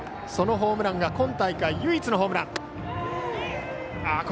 そのホームランが今大会唯一のホームラン。